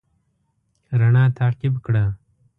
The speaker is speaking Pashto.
رڼا تعقيب کړه.